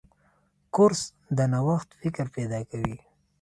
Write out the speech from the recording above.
کورس د نوښت فکر پیدا کوي.